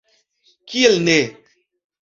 Kiel ne?